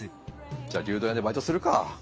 じゃあ牛丼屋でバイトするか。